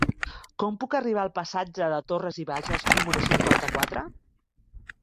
Com puc arribar al passatge de Torras i Bages número cinquanta-quatre?